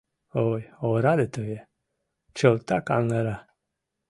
«Ой, ораде тые, чылтак аҥыра!